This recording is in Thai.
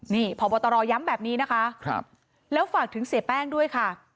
นี่พบตรย้ำแบบนี้นะคะแล้วฝากถึงเสียแป้งด้วยค่ะ